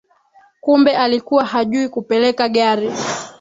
Kumbe alikuwa hajui kupeleka gari